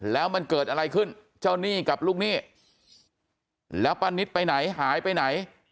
แล้วมันเกิดอะไรขึ้นเจ้าหนี้กับลูกหนี้แล้วป้านิตไปไหนหายไปไหน